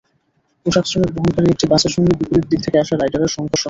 পোশাকশ্রমিক বহনকারী একটি বাসের সঙ্গে বিপরীত দিক থেকে আসা রাইডারের সংঘর্ষ হয়।